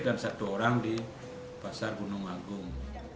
dan satu orang di pasar gunung agung